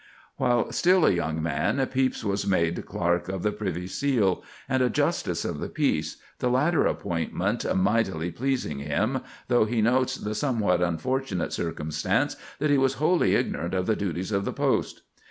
While still a young man, Pepys was made Clerk of the Privy Seal, and a justice of the peace, the latter appointment "mightily" pleasing him, though he notes the somewhat unfortunate circumstance that he was "wholly ignorant" of the duties of the post.